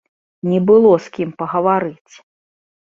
Не было з кім пагаварыць!